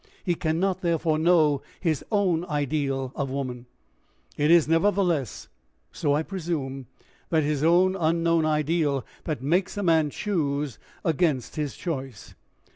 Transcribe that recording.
He can not, therefore, know his own ideal of woman; it is, nevertheless so I presume this his own unknown ideal that makes a man choose against his choice.